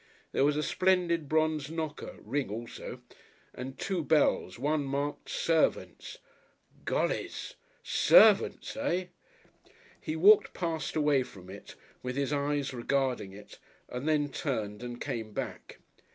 There was a splendid bronzed knocker (ring also) and two bells one marked "servants." Gollys! Servants, eh? He walked past away from it, with his eyes regarding it, and then turned and came back.